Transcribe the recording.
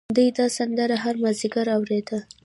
دای دا سندره هر مازدیګر اورېده.